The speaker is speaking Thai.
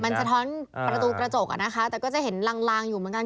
มันสะท้อนประตูกระจกอ่ะนะคะแต่ก็จะเห็นลางลางอยู่เหมือนกัน